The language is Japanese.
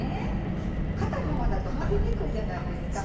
硬いままだと混ぜにくいじゃないですか。